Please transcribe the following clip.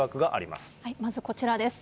まずこちらです。